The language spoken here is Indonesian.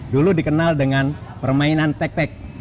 dulu dikenal dengan permainan tek tek